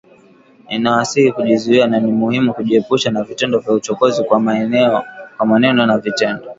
Ninawasihi kujizuia na ni muhimu kujiepusha na vitendo vya uchokozi kwa maneno na vitendo